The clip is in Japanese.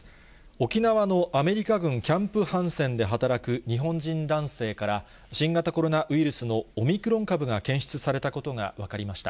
沖縄のアメリカ軍キャンプ・ハンセンで働く日本人男性から、新型コロナウイルスのオミクロン株が検出されたことが分かりました。